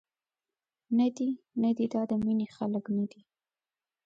ندي، ندي دا د مینې خلک ندي.